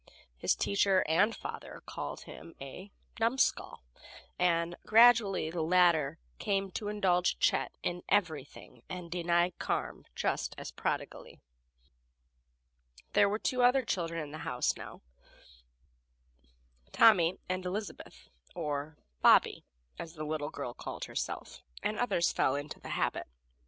His teacher and father called him a "numbskull," and gradually the latter came to indulge Chet in everything and deny Carm just as prodigally. There were two other children in the house now Tommy and Elizabeth, or "Bobby," as the little girl called herself, and others fell into the habit.